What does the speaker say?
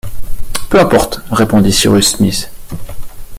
Peu importe, répondit Cyrus Smith